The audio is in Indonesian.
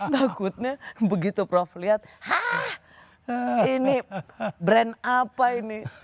takutnya begitu prof lihat ini brand apa ini